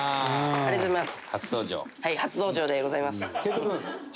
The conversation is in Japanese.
ありがとうございます。